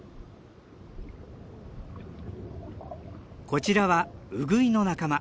こちらはウグイの仲間。